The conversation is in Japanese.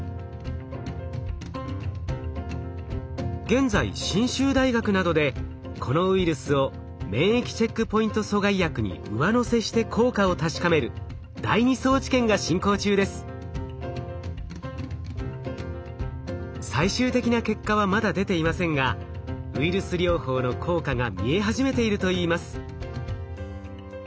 現在信州大学などでこのウイルスを免疫チェックポイント阻害薬に上乗せして効果を確かめる最終的な結果はまだ出ていませんがウイルス療法の効果が見え始めているといいます。